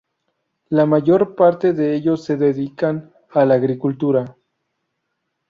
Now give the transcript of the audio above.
La mayor parte de ellos se dedican a la agricultura.